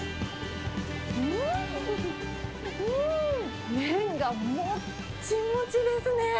うーん、麺がもっちもちですね。